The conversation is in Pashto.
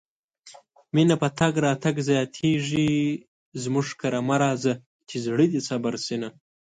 مينه په تګ راتګ زياتيږي مونږ کره مه راځه چې زړه دې صبر شينه